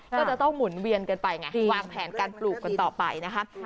ก็จะต้องหมุนเวียนกันไปไงวางแผนการปลูกกันต่อไปนะคะ